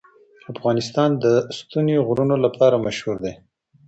افغانستان د ستوني غرونه لپاره مشهور دی.